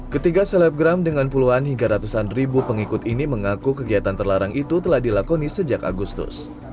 ketiga selebgram dengan puluhan hingga ratusan ribu pengikut ini mengaku kegiatan terlarang itu telah dilakoni sejak agustus